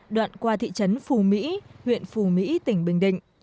đoạn qua thị trấn phu mỹ huyện phu mỹ tỉnh bình định